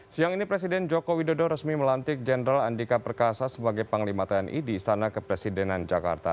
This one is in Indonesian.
siang ini presiden joko widodo resmi melantik jenderal andika perkasa sebagai panglima tni di istana kepresidenan jakarta